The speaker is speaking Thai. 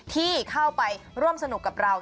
ที่เข้าไปร่วมสนุกกับเรา